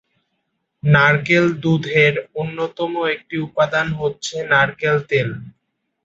নারকেল দুধের অন্যতম একটি উপাদান হচ্ছে নারকেল তেল।